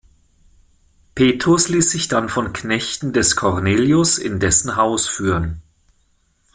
Petrus ließ sich dann von Knechten des Kornelius in dessen Haus führen.